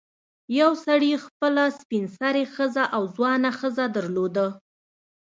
یو سړي خپله سپین سرې ښځه او ځوانه ښځه درلوده.